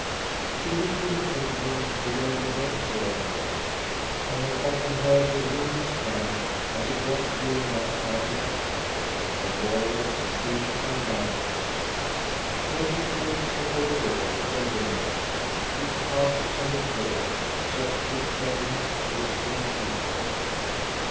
She lived in the bedroom beyond the red drawing room. I have often heard the room described, as it was during that time of terror, when Borg was be sieged by magpies. Heavy quilts before the doors and windows, thick carpets on the floor, softly tread ing, whispering people.